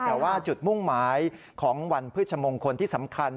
แต่ว่าจุดมุ่งหมายของวันพฤชมงคลที่สำคัญ